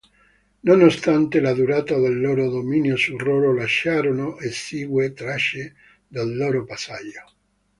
Nonostante la durata del loro dominio su Rolo lasciarono esigue tracce del loro passaggio.